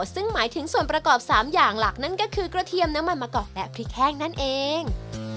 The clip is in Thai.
ซึ่งหมายถึงส่วนประกอบ๓อย่างหลักนั่นก็คือกระเทียมน้ำมันมะกอกและพริกแห้งนั่นเอง